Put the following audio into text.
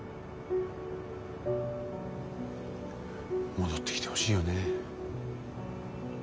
戻ってきてほしいよね。